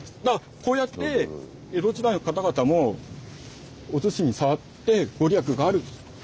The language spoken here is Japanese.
だからこうやって江戸時代の方々もお厨子に触って御利益がある。